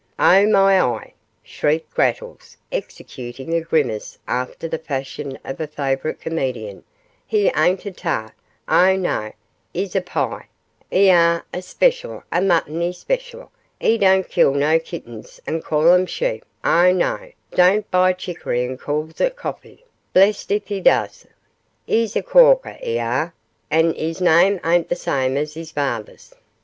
'Oh, my eye!' shrieked Grattles, executing a grimace after the fashion of a favourite comedian; 'he ain't a tart, oh, no 'es a pie, 'e are, a special, a muttony special; 'e don't kill no kittings and call 'em sheep, oh, no; 'e don't buy chicory and calls it coffee, blest if 'e does; 'e's a corker, 'e are, and 'is name ain't the same as 'is father's.